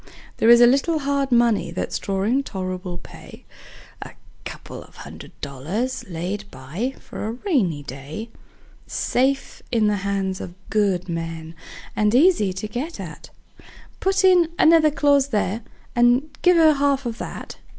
There is a little hard money that's drawin' tol'rable pay: A couple of hundred dollars laid by for a rainy day; Safe in the hands of good men, and easy to get at; Put in another clause there, and give her half of that.